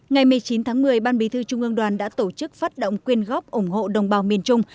ngày một mươi chín tháng một mươi ban bí thư trung ương đoàn đã tổ chức phát động quyên góp ủng hộ đồng bào miền trung